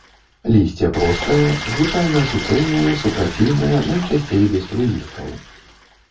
Лісце простае, звычайна суцэльнае, супраціўнае, найчасцей без прылісткаў.